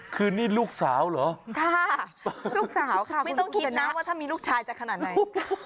คือนี่ลูกสาวเหรอค่ะลูกสาวค่ะไม่ต้องคิดนะว่าถ้ามีลูกชายจะขนาดไหน